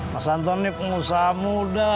mas anton ini pengusaha muda